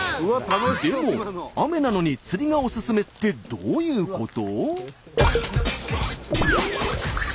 でも雨なのに釣りがオススメってどういうこと？